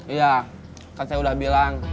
iya kan saya udah bilang